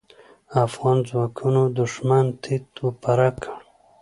افغان ځواکونو دوښمن تيت و پرک کړ.